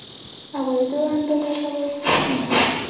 عوایدو اندازه کول ستونزمن دي.